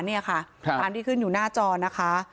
นี่ค่ะตามที่ขึ้นอยู่หน้าจอนะคะ